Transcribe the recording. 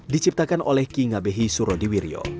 diciptakan oleh king abehi surodiwiryo